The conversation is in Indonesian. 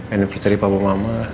and i kecariin papa mama